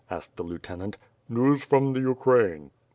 asked the lieutenant. "News from the Ukraine."